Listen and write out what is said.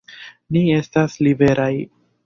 Ni estas liberaj!